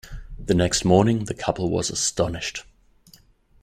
The next morning the couple was astonished.